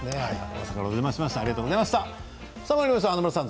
朝からお邪魔しました。